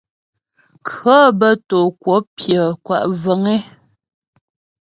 Kʉɔ̌ bə́ tǒ kwəp pyə̌ kwa' vəŋ é.